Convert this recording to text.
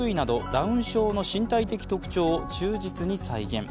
ダウン症の身体的特徴を忠実に再現。